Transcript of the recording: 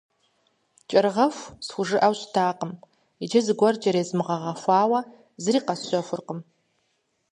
«Кӏэрыгъэху» схужыӏэу щытакъым, иджы зыгуэр кӏэрезмыгъэгъэхуауэ зыри къэсщэхуркъым.